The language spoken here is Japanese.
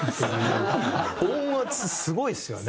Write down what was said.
音圧スゴいですよね。